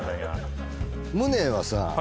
ムネはさ